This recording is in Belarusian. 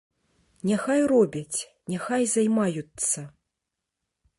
Няхай робяць, няхай займаюцца.